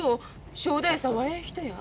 正太夫さんはええ人や。